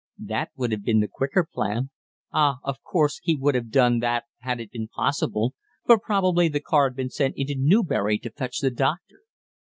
That would have been the quicker plan; ah, of course he would have done that had it been possible, but probably the car had been sent into Newbury to fetch the doctor.